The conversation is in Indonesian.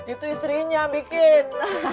itu istrinya bikin